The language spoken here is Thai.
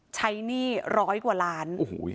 หนี้ร้อยกว่าล้าน